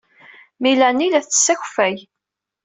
Melanie la tettess akeffay.